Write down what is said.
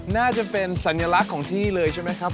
น่าจะเป็นสัญลักษณ์ของที่เลยใช่ไหมครับ